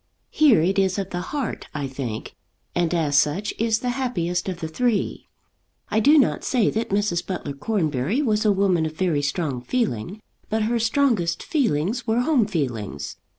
Here it is of the heart, I think, and as such is the happiest of the three. I do not say that Mrs. Butler Cornbury was a woman of very strong feeling; but her strongest feelings were home feelings.